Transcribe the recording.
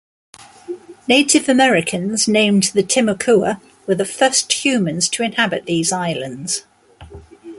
Native Americans named the Timucua were the first humans to inhabit these islands.